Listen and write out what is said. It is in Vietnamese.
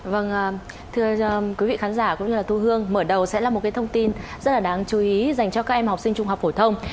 vâng thưa quý vị khán giả cũng như là thu hương mở đầu sẽ là một cái thông tin rất là đáng chú ý dành cho các em học sinh trung học phổ thông